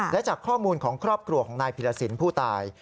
และจากข้อมูลของครอบครัวของนายพิรสินผู้ตาย